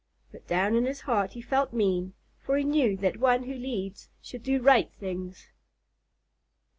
But down in his heart he felt mean, for he knew that one who leads should do right things.